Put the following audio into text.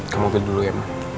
kamu gitu dulu ya ma